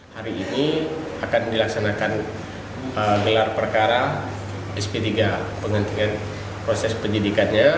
hari ini akan dilaksanakan gelar perkara sp tiga penghentian proses penyidikannya